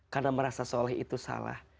karena merasa soleh itu salah